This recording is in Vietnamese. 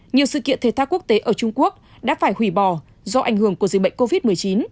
nhiều sự kiện thể thao quốc tế ở trung quốc đã phải hủy bỏ do ảnh hưởng của dịch bệnh covid một mươi chín